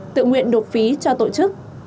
tự nguyện đột phí cho tổ chức